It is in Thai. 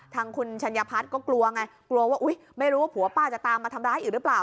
ทางคุณชัญพัฒน์ก็กลัวไงกลัวว่าอุ๊ยไม่รู้ว่าผัวป้าจะตามมาทำร้ายอีกหรือเปล่า